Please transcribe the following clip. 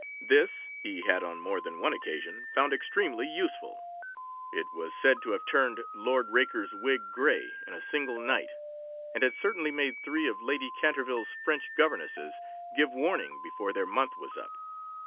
This he had on more than one occasion found extremely useful. It was said to have turned Lord Raker's wig grey in a single night, and had certainly made three of Lady Canterville's French governesses give warning before their month was up.